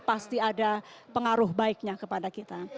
pasti ada pengaruh baiknya kepada kita